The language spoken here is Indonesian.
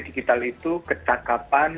digital itu ketakapan